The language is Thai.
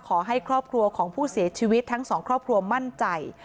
ขอให้ครอบครัวของผู้เสียชีวิตทั้งสองครอบครัวมั่นใจ